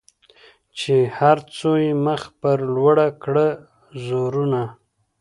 چي هر څو یې مخ پر لوړه کړه زورونه